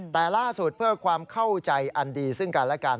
แต่ล่าสุดเพื่อความเข้าใจอันดีซึ่งกันและกัน